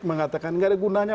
mengatakan tidak ada gunanya